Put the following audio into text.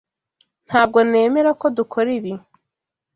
Ntabwo nemera ko dukora ibi.